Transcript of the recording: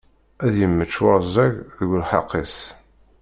Ad yemmečč warẓeg deg lḥeqq-is.